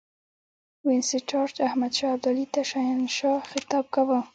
وینسیټارټ احمدشاه ابدالي ته شهنشاه خطاب کاوه.